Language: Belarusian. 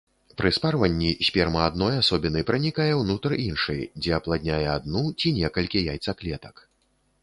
Пры спарванні сперма адной асобіны пранікае ўнутр іншай, дзе апладняе адну ці некалькі яйцаклетак.